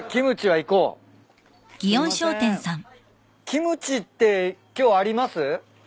キムチって今日あります？